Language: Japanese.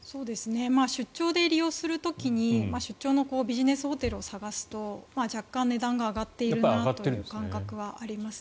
出張で利用する時に出張のビジネスホテルを探すと若干値段が上がっているなという感覚はあります。